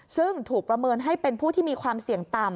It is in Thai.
ซึ่งถูกประเมินให้เป็นผู้ที่มีความเสี่ยงต่ำ